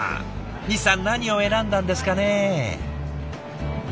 西さん何を選んだんですかね？